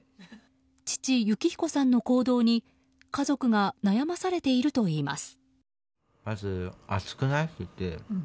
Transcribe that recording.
父・幸彦さんの行動に家族が悩まされているといいます。